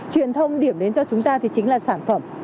truyền thông điểm đến cho chúng ta thì chính là sản phẩm